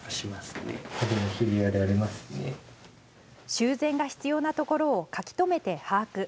修繕が必要なところを書き留めて把握。